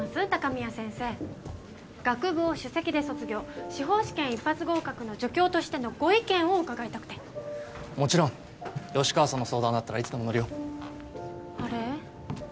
鷹宮先生学部を首席で卒業司法試験一発合格の助教としてのご意見を伺いたくてもちろん吉川さんの相談だったらいつでも乗るよあれ？